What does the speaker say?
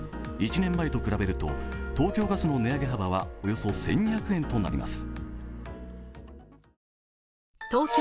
１年前と比べると東京ガスの値上げ幅はおよそ１２００円となります。